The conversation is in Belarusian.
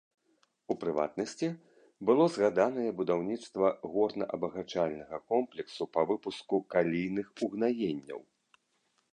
У прыватнасці, было згаданае будаўніцтва горна-абагачальнага комплексу па выпуску калійных угнаенняў.